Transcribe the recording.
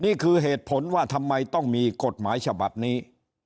นี่คือเหตุผลว่าทำไมต้องมีกฎหมายฉบับนี้